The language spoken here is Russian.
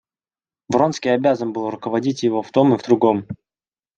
Вронский обязан был руководить его в том и в другом.